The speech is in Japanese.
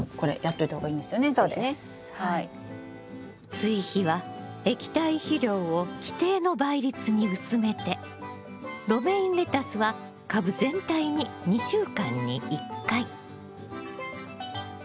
追肥は液体肥料を規定の倍率に薄めてロメインレタスは株全体に２週間に１回。